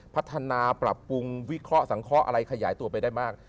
พัฒนาปรับปรุงวิเคราะห์สังเคราะห์อะไรขยายตัวไปได้มาก